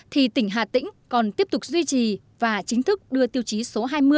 thì tỉnh hà tĩnh còn tiếp tục duy trì và chính thức đưa tiêu chí số hai mươi